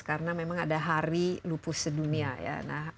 karena memang ada hari lupus sedunia ya